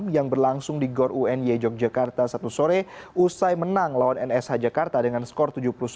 yang berlangsung di gor uny yogyakarta satu sore usai menang lawan nsh jakarta dengan skor tujuh puluh satu